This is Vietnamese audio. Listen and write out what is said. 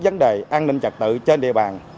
vấn đề an ninh trật tự trên địa bàn